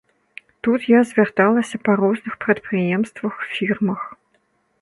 Тут я звярталася па розных прадпрыемствах, фірмах.